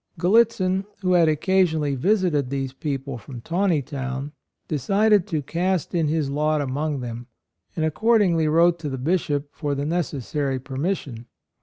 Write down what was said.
Gallitzin, who had occasionally visited these people from Taney town, decided to cast in his lot among them, and accordingly wrote to the Bishop for the necessary permission.